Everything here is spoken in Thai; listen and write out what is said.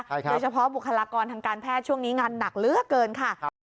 โดยเฉพาะบุคลากรทางการแพทย์ช่วงนี้งานหนักเหลือเกินค่ะ